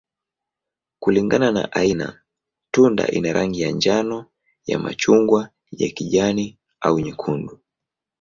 Kulingana na aina, tunda ina rangi ya njano, ya machungwa, ya kijani, au nyekundu.